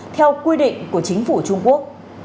theo quy định của chính phủ trung quốc